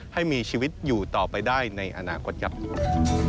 ให้มีชีวิตอยู่ต่อไปได้ในอนาคตครับ